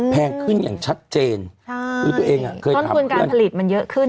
เพื่อนการผลิตมันเยอะขึ้น